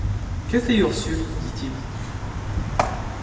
Que fait Ursule ? dit-il.